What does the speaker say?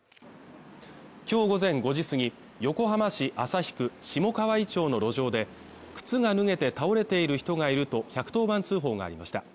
今日午前５時過ぎ横浜市旭区下川井町の路上で靴が脱げて倒れている人がいると１１０番通報がありました